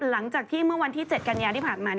หลังจากที่เมื่อวันที่๗กันยาที่ผ่านมา